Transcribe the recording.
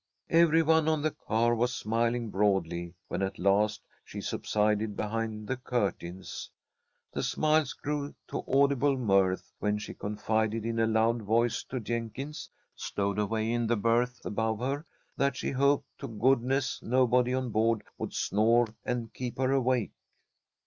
Every one on the car was smiling broadly when at last she subsided behind the curtains. The smiles grew to audible mirth when she confided in a loud voice to Jenkins, stowed away in the berth above her, that she hoped to goodness nobody on board would snore and keep her awake.